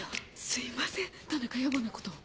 すいません田中やぼなことを。